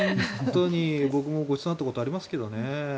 僕もごちそうになったことがありますけどね。